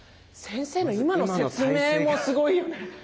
先生の今の説明もすごいよね。